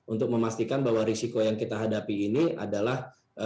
untuk memastikan bahwa risiko yang kita hadapi ini adalah